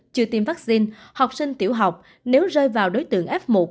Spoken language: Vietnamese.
chưa tiêm vaccine học sinh tiểu học nếu rơi vào đối tượng f một